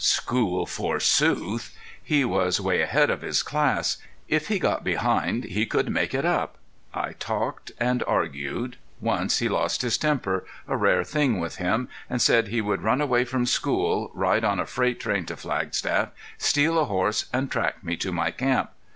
School forsooth! He was way ahead of his class. If he got behind he could make it up. I talked and argued. Once he lost his temper, a rare thing with him, and said he would run away from school, ride on a freight train to Flagstaff, steal a horse and track me to my camp.